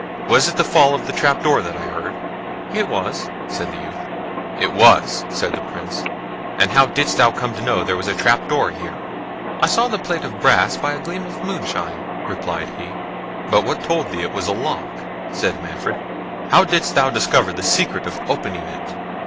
Was it the fall of the trap door that I heard?" "It was," said the youth. "It was!" said the Prince; "and how didst thou come to know there was a trap door here?" "I saw the plate of brass by a gleam of moonshine," replied he. "But what told thee it was a lock?" said Manfred. "How didst thou discover the secret of opening it?"